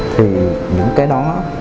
thì những cái đó